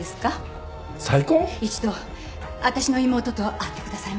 一度私の妹と会ってくださいません？